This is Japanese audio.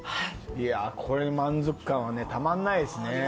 いやこれ満足感はねたまんないですね！